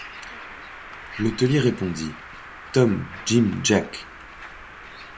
L’hôtelier répondit: — Tom-Jim-Jack.